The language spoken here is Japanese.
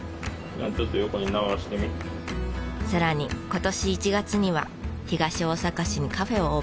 さらに今年１月には東大阪市にカフェをオープンしました。